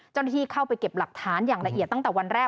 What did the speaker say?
เจ้าหน้าที่เข้าไปเก็บหลักฐานอย่างละเอียดตั้งแต่วันแรก